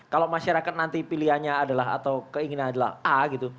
kalau masyarakat nanti pilihannya adalah atau keinginan adalah a gitu